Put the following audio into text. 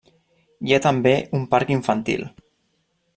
Hi ha també un parc infantil.